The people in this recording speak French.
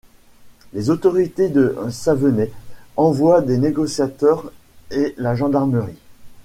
Les autorités de Savenay envoient des négociateurs et la gendarmerie.